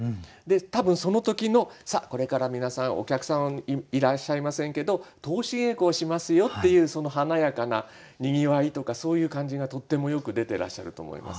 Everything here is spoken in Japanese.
多分その時の「さあこれから皆さんお客さんいらっしゃいませんけど通し稽古をしますよ」っていうその華やかなにぎわいとかそういう感じがとってもよく出てらっしゃると思います。